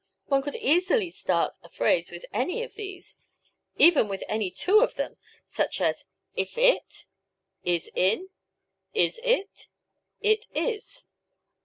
One could easily start a phrase with any of these, even with any two of them such as If it, Is in, Is it, It is.